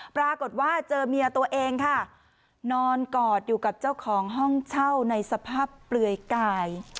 ปรากฏว่าเจอเมียตัวเองค่ะนอนกอดอยู่กับเจ้าของห้องเช่าในสภาพเปลือยกาย